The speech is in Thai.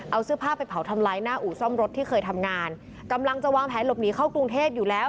เอาเสื้อผ้าไปเผาทำลายหน้าอู่ซ่อมรถที่เคยทำงานกำลังจะวางแผนหลบหนีเข้ากรุงเทพอยู่แล้ว